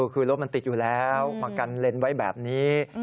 คือรถมันติดอยู่แล้วมากันเลนไว้แบบนี้